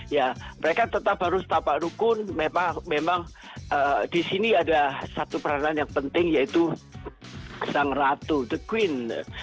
ya mereka tetap harus tapak rukun memang di sini ada satu peranan yang penting yaitu sang ratu the queen